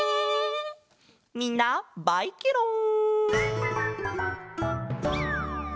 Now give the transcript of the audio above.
みんなバイケロン！